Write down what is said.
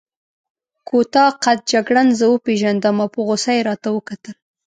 کوتاه قد جګړن زه وپېژندم او په غوسه يې راته وکتل.